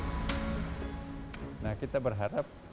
semoga semua makhluk hidup berbahagia dan berbahagia